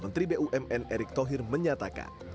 menteri bumn erick thohir menyatakan